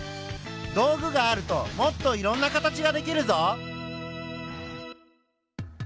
道具があるともっといろんな形が出来るぞ。